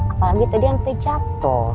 apalagi tadi sampai jatuh